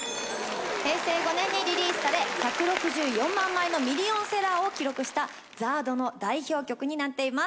平成５年にリリースされ１６４万枚のミリオンセラーを記録したＺＡＲＤの代表曲になっています。